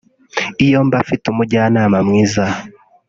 iyo mba mfite umujyanama mwiza